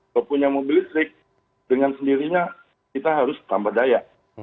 kalau punya mobil listrik dengan sendirinya kita harus tambah daya